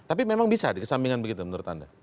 tapi memang bisa dikesampingkan begitu menurut anda